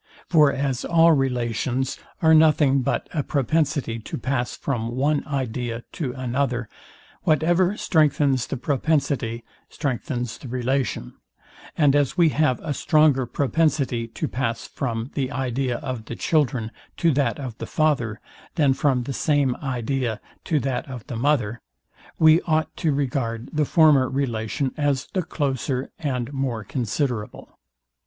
For as all relations are nothing but a propensity to pass from one idea to another, whatever strengthens the propensity strengthens the relation; and as we have a stronger propensity to pass from the idea of the children to that of the father, than from the same idea to that of the mother, we ought to regard the former relation as the closer and more considerable.